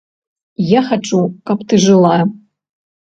Я хачу, каб ты жыла.